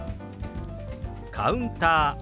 「カウンター」。